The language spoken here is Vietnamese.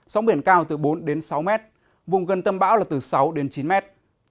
sóng biển cao từ bốn đến sáu mét vùng gần tâm bão là từ sáu đến chín mét